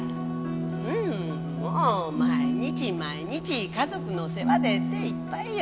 うんもう毎日毎日家族の世話で手いっぱいや。